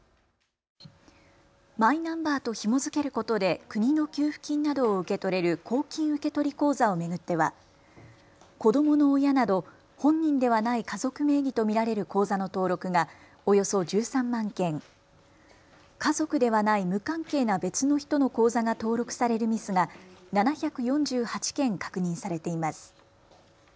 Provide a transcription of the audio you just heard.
マイナンバーとひも付けることで国の給付金などを受け取れる公金受取口座を巡っては子どもの親など本人ではない家族名義と見られる口座の登録がおよそ１３万件、家族ではない無関係な別の人の口座が登録されるミスが７４８件確認されています。